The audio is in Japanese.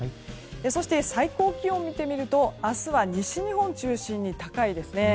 そして、最高気温を見てみると明日は西日本を中心に高いです。